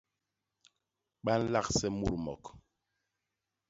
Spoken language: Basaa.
Ba nlagse mut mok.